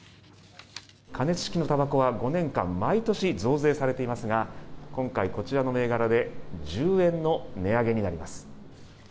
加熱式のたばこは５年間毎年、増税されていますが今回、こちらの銘柄で１０円の値上げになります。